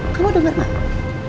kamu denger madam